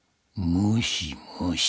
☎もしもし。